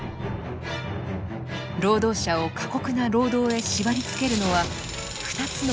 労働者を過酷な労働へ縛りつけるのは２つの自由だったのです。